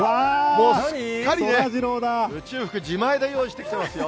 もうすっかりね、宇宙服、自前で用意してきてますよ。